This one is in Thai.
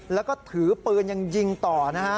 แล้วก็ถือปืนยังยิงต่อนะฮะ